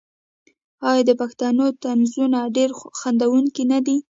آیا د پښتنو طنزونه ډیر خندونکي نه دي؟